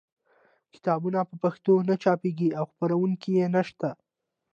کتابونه په پښتو نه چاپېږي او خپرونکي یې نشته.